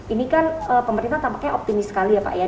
ini kan pemerintah tampaknya optimis sekali ya pak ya